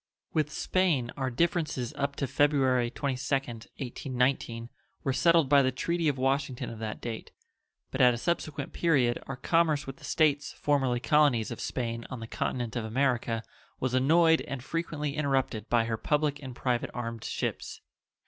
With Spain our differences up to February 22d, 1819 were settled by the treaty of Washington of that date, but at a subsequent period our commerce with the States formerly colonies of Spain on the continent of America was annoyed and frequently interrupted by her public and private armed ships.